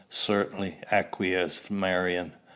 "Certainly," acquiesced Marion.